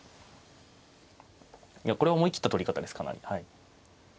いやこれは思い切った取り方ですかね。